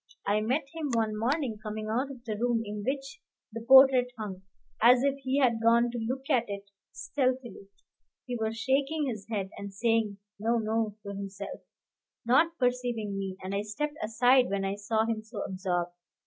I met him one morning coming out of the room in which the portrait hung, as if he had gone to look at it stealthily. He was shaking his head, and saying "No, no," to himself, not perceiving me, and I stepped aside when I saw him so absorbed.